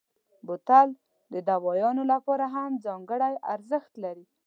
بوتل د دوایانو لپاره هم ځانګړی جوړښت لري.